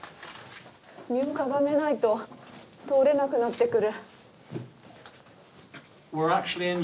身をかがめないと通れなくなってくる。